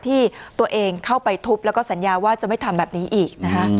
ที่ตัวเองเข้าไปทุบแล้วก็สัญญาว่าจะไม่ทำแบบนี้อีกนะคะ